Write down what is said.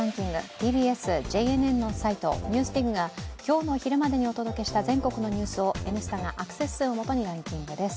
ＴＢＳ・ＪＮＮのサイト、ＮＥＷＳＤＩＧが今日の昼までにお届けした全国のニュースを「Ｎスタ」がアクセス数をもとにランキングです。